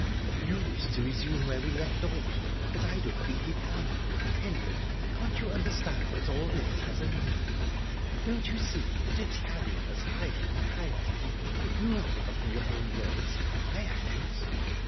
"You wish to resume where we left off, but I don't think we can ...Henry, can't you understand that all this has a meaning? Don't you see that it's carrying us higher and higher? If you have forgotten your own words, I haven't."